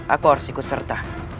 aku harus ikut serta